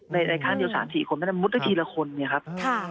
ในขั้นเดียว๓๔คนมันมุดละทีละคนเนี่ยครับ